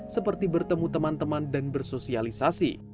seperti bertemu teman teman dan bersosialisasi